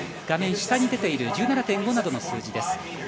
画面下に出ている１７．５などの数字です。